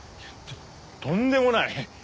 とんでもない！